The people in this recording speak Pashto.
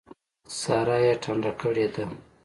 سارا يې ټنډه کړې ده.